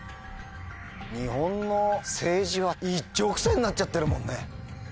日本の政治は一直線になっちゃってるもんね。